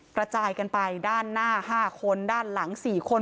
กระจายกันไปด้านหน้า๕คนด้านหลัง๔คน